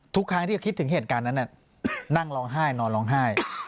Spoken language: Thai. ทุกครั้งที่คิดถึงเหตุการณ์นั้นนั่งร้องไห้นอนร้องไห้